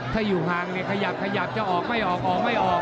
ถ้าอยู่ห่างเนี่ยขยับขยับจะออกไม่ออกออกไม่ออก